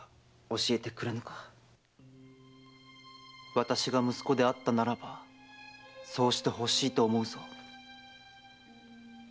私が息子であったならばそうしてほしいと思うぞ。